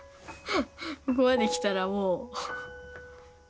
ここまできたらもう。